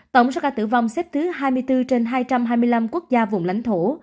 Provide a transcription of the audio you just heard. tổng số ca tử vong xếp thứ hai mươi bốn trên hai trăm hai mươi năm quốc gia vùng lãnh thổ